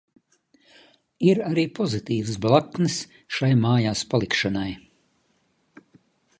Ir arī pozitīvas blaknes šai mājās palikšanai.